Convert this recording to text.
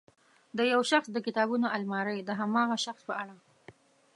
د یو شخص د کتابونو المارۍ د هماغه شخص په اړه.